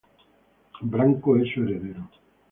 Branko es su heredero.